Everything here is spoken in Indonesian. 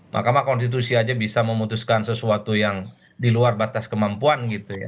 mahkamah konstitusi aja bisa memutuskan sesuatu yang di luar batas kemampuan gitu ya